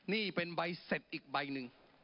นี่เป็นใบเสร็จอีกใบหนึ่ง